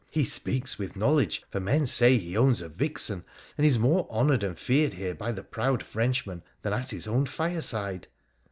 ' He speaks with knowledge, for men say he owns a vixen, and is more honoured and feared here by the proud Frenchman than at his own fireside.'